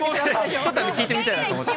ちょっと聞いてみたいなと思って。